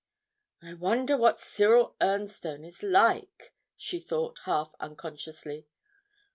'I wonder what "Cyril Ernstone" is like,' she thought, half unconsciously.